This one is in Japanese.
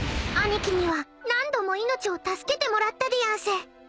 ［兄貴には何度も命を助けてもらったでやんす］